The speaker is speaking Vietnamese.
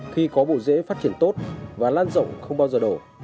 khi có bộ dễ phát triển tốt và lan rộng không bao giờ đổ